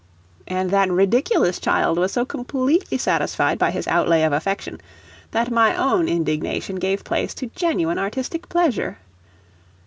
And that ridiculous child was so completely satisfied by his outlay of affection that my own indignation gave place to genuine artistic pleasure.